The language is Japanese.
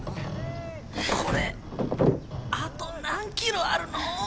これあと何キロあるの？